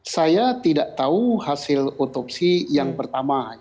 saya tidak tahu hasil otopsi yang pertama